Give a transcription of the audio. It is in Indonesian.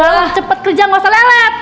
orang cepet kerja gausah lelet